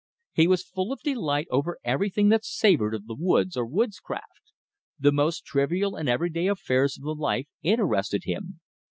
He was full of delight over everything that savored of the woods, or woodscraft. The most trivial and everyday affairs of the life interested him.